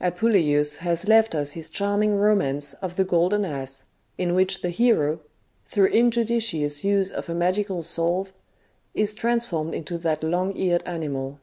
Apuleius has left us his charming romance of the Golden Ass, in which the hero, through injudicious use of a magical salve, is transformed into that long eared animal.